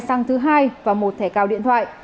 xăng thứ hai và một thẻ cao điện thoại